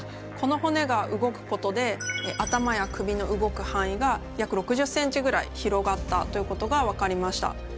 この骨が動くことで頭や首の動く範囲が約６０ｃｍぐらい広がったということが分かりました。